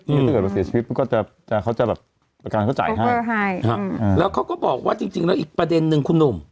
ถ้าเกิดว่าเสียชีวิตมันก็จะเขาจะแบบประกันเขาจ่ายให้แล้วเขาก็บอกว่าจริงแล้วอีกประเด็นนึงคุณหนุ่ม